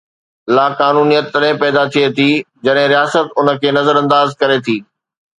لاقانونيت تڏهن پيدا ٿئي ٿي جڏهن رياست ان کي نظرانداز ڪري ٿي.